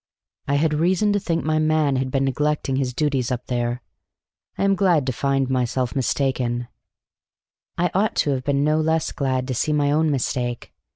"I had reason to think my man had been neglecting his duties up there. I am glad to find myself mistaken." I ought to have been no less glad to see my own mistake.